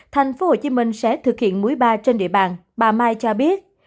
tp hcm sẽ thực hiện quý ba trên địa bàn bà mai cho biết